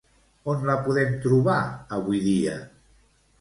On la podem trobar avui dia?